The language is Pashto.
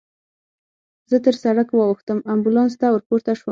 زه تر سړک واوښتم، امبولانس ته ورپورته شوم.